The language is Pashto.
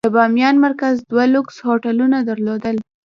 د بامیان مرکز دوه لوکس هوټلونه درلودل.